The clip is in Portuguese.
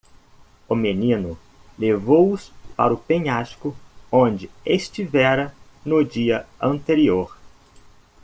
O menino levou-os para o penhasco onde estivera no dia anterior.